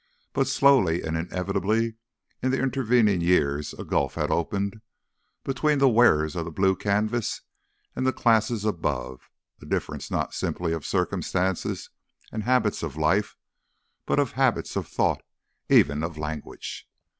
But slowly and inevitably in the intervening years a gulf had opened between the wearers of the blue canvas and the classes above, a difference not simply of circumstances and habits of life, but of habits of thought even of language.